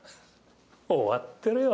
終わってるよ